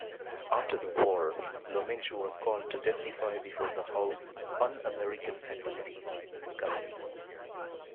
After the war Lomanitz was called to testify before the House Un-American Activities Committee.